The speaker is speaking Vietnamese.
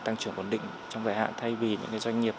tăng trưởng ổn định trong dài hạn thay vì những cái doanh nghiệp